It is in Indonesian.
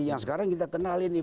yang sekarang kita kenal ini